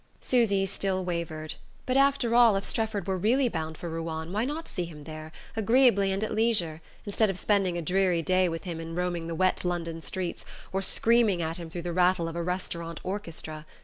Susy still wavered; but, after all, if Strefford were really bound for Ruan, why not see him there, agreeably and at leisure, instead of spending a dreary day with him in roaming the wet London streets, or screaming at him through the rattle of a restaurant orchestra?